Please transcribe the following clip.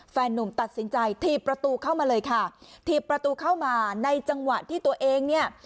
นุ่มตัดสินใจถีบประตูเข้ามาเลยค่ะถีบประตูเข้ามาในจังหวะที่ตัวเองเนี่ย